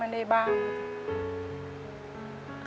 แต่ที่แม่ก็รักลูกมากทั้งสองคน